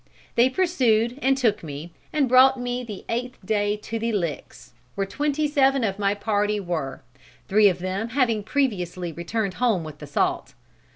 They pursued and took me, and brought me the eighth day to the Licks, where twenty seven of my party were, three of them having previously returned home with the salt.